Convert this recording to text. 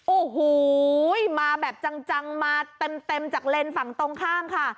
โอ้โหมาแบบจังมาเต็มจากเลนส์ฝั่งตรงข้ามค่ะ